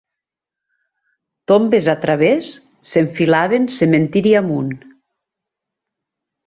Tombes a través s'enfilaven cementiri amunt.